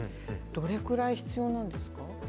どれくらい必要なんですか。